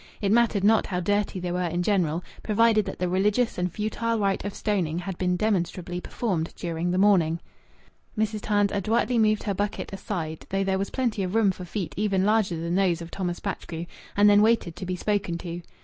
It mattered not how dirty they were in general, provided that the religious and futile rite of stoning had been demonstrably performed during the morning. Mrs. Tams adroitly moved her bucket, aside, though there was plenty of room for feet even larger than those of Thomas Batchgrew, and then waited to be spoken to.